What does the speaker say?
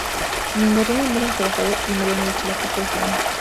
En el derrumbe muere un trabajador, y Mariano le echa la culpa a Efraín.